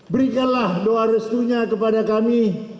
berikanlah doa restunya kepada kami